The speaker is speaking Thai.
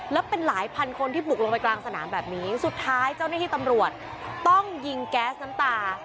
แล้วเป็นหลายพันคนที่บุกลงไปกลางสนามแบบนี้สุดท้ายเจ้าหน้าที่ตำรวจต้องยิงแก๊สน้ำตา